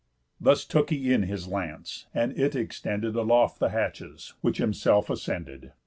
Thus took he in his lance, and it extended Aloft the hatches, which himself ascended.